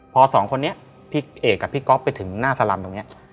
พอสองคนนี้พี่เอกกับพี่ก๊อฟไปถึงหน้าสลำตรงนี้